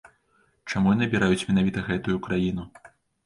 Чаму яны абіраюць менавіта гэтую краіну?